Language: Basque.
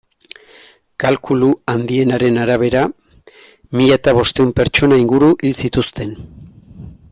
Kalkulu handienaren arabera, mila eta bostehun pertsona inguru hil zituzten.